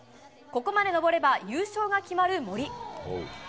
ここまで登れば優勝が決まる森。